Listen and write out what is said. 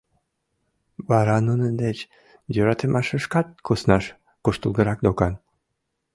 Вара нунын деч йӧратымашышкат куснаш куштылгырак докан.